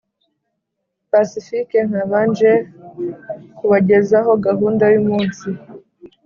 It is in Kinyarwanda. pacifique nkaba nje kubagezaho gahunda yumunsi